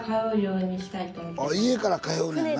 家から通うねんな。